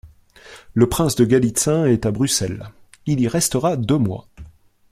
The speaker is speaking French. Le prince de Galitzin est à Bruxelles ; il y restera deux mois.